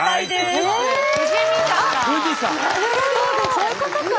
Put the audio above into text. そういうことか。